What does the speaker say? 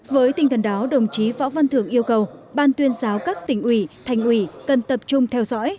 với tinh thần đó đồng chí võ văn thưởng yêu cầu ban tuyên giáo các tỉnh ủy thành ủy cần tập trung theo dõi